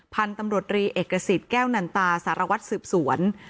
พันธุ์ตำรวจรีเอกสิทธิ์แก้วนันตาสารวัตรสืบสวน